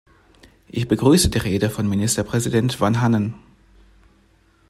Ich begrüße die Rede von Ministerpräsident Vanhanen.